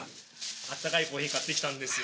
温かいコーヒー買ってきたんですよ。